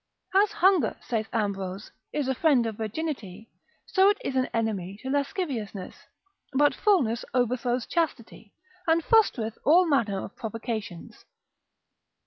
As hunger, saith Ambrose, is a friend of virginity, so is it an enemy to lasciviousness, but fullness overthrows chastity, and fostereth all manner of provocations.